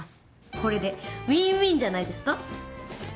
これでウィンウィンじゃないですか？